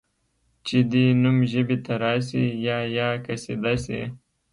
چي دي نوم ژبي ته راسي یا یا قصیده سي